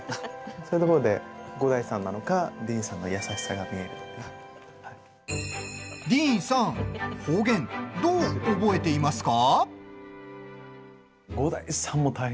そういうところでディーンさん方言、どう覚えていますか？